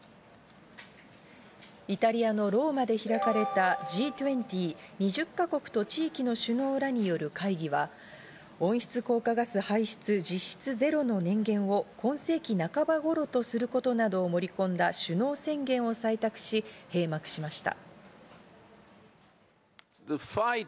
イタリアのローマで開かれたＧ２０＝２０か国と地域の首脳らによる会議は、温室効果ガス排出実質ゼロの年限を今世紀半ばごろとすることなどを盛り込んだ首脳宣言を採択し、閉幕しました。